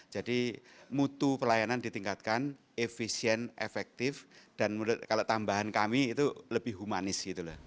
jadi mutu pelayanan ditingkatkan efisien efektif dan menurut tambahan kami lebih humanis